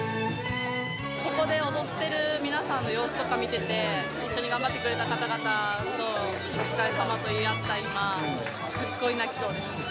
ここで踊ってる皆さんの様子とか見てて、一緒に頑張ってくれた方々と、お疲れさまと言い合った今、すっごい泣きそうです。